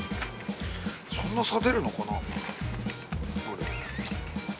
そんな差が出るのかな。